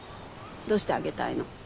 どうしてあげたいの？